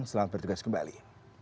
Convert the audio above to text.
selamat bertugas kembali